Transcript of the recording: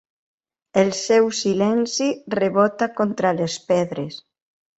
El seu silenci rebota contra les pedres.